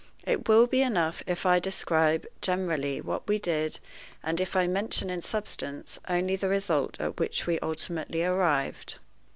It will be enough if I describe generally what we did, and if I mention in substance only the result at which we ultimately arrived.